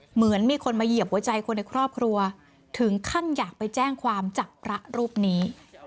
เหมือนมีคนมาเหยียบหัวใจคนในครอบครัวถึงขั้นอยากไปแจ้งความจับพระรูปนี้